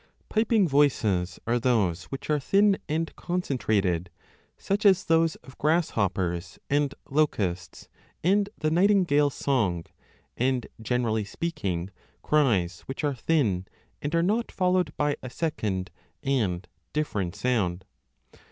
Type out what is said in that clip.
Piping voices are those which are thin and concentrated, such as those of grasshoppers and locusts and the nightin gale s song, and, generally speaking, cries which are thin, and are not followed by a second and different sound.